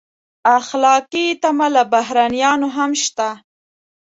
اخلاقي تمه له بهرنیانو هم شته.